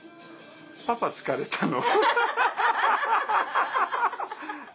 パパ疲れたの。